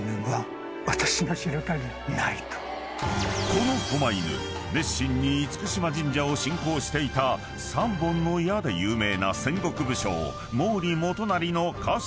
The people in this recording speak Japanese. ［このこま犬熱心に嚴島神社を信仰していた三本の矢で有名な戦国武将］